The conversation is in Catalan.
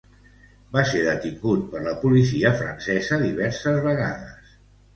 Va ser detingut per la policia francesa diverses vegades.